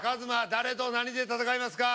誰と何で戦いますか？